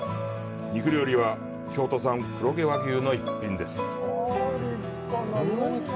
肉料理は、京都産黒毛和牛の一品。